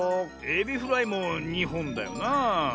エビフライも２ほんだよなあ。